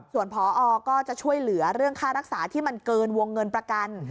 ส่วนพอก็จะช่วยเหลือเรื่องค่ารักษาที่มันเกินวงเงินประกัน